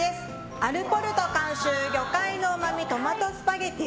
「アルポルト監修魚介の旨みトマトスパゲティ